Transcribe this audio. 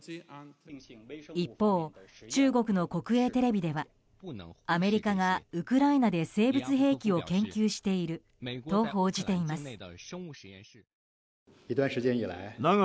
一方、中国の国営テレビではアメリカがウクライナで生物兵器を研究していると報じています。